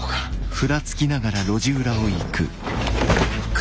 く。